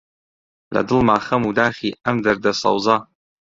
لە دڵما خەم و داخی ئەم دەردە سەوزە: